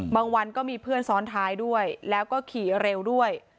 วันก็มีเพื่อนซ้อนท้ายด้วยแล้วก็ขี่เร็วด้วย